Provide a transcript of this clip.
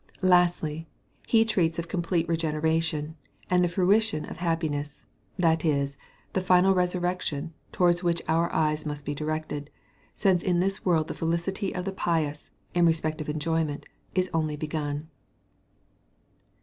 Lastly, he treats of complete regeneration, and the fruition of happiness; that is, the final resurrection, towards which our eyes must be directed, since in this world the felicity of the pious, in respect of enjoyment, is only begun.